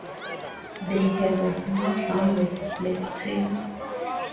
They have a small rounded black tail.